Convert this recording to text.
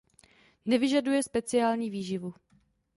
Nevyžaduje speciální výživu.